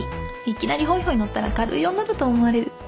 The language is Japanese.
いきなりホイホイ乗ったら軽い女だと思われる。